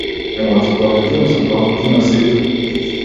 Емотиконите им се познати на сите.